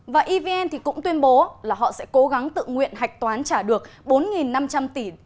và evn cũng tuyên bố là họ sẽ cố gắng tự nguyện hạch toán trả được bốn năm trăm linh tỷ